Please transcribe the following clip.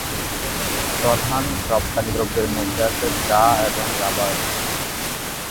প্রধান রপ্তানী দ্রব্যের মধ্যে আছে চা এবং রাবার।